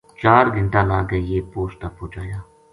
چار گھنٹا لا کے یہ پوسٹ تا پوہچایا